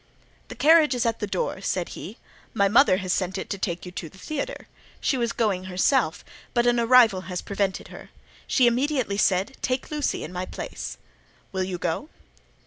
"The carriage is at the door," said he; "my mother has sent it to take you to the theatre; she was going herself, but an arrival has prevented her: she immediately said, 'Take Lucy in my place.' Will you go?"